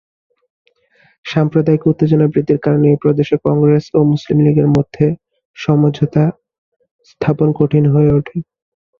সাম্প্রদায়িক উত্তেজনা বৃদ্ধির কারণে এ প্রদেশে কংগ্রেস ও মুসলিম লীগের মধ্যে সমঝোতা স্থাপন কঠিন হয়ে ওঠে।